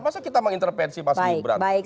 masa kita mengintervensi mas gibran